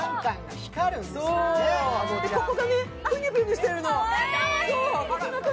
ここがぷにゅぷにゅしてるの。